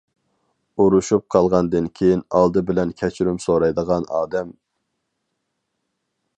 ئۇرۇشۇپ قالغاندىن كېيىن ئالدى بىلەن كەچۈرۈم سورايدىغان ئادەم.